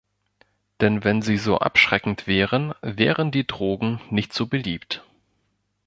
Denn wenn sie so abschreckend wären, wären die Drogen nicht so beliebt.